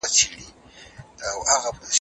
هره څېړنه خپلې ځانګړې لارې لري.